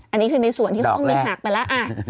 อันนี้คือในส่วนที่ห้องนี้หักไปแล้ว